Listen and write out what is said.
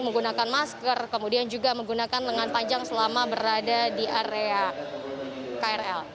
menggunakan masker kemudian juga menggunakan lengan panjang selama berada di area krl